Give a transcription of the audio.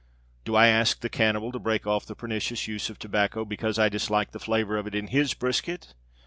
Do I ask the cannibal to break off the pernicious use of tobacco because I dislike the flavor of it in his brisket?